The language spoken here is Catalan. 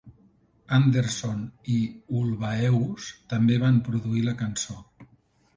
Andersson i Ulvaeus també van produir la cançó.